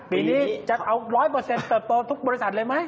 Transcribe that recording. ปีนี้จะเอา๑๐๐เติบโตทุกบริษัทเลยไหม